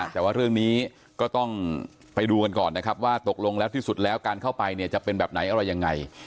แต่ว่าเรื่องนี้ก็ต้องไปดูกันก่อนนะครับว่าตกลงแล้วที่สุดแล้วการเข้าไปเนี่ยจะเป็นแบบไหนอะไรยังไง